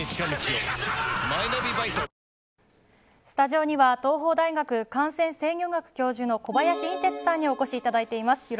スタジオには東邦大学感染制御学教授の小林寅てつさんにお越しいただいています。